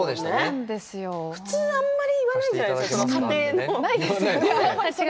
普通あまり言わないじゃないですか家庭の。